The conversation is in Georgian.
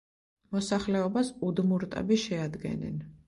მოსახლეობას უდმურტები შეადგენენ.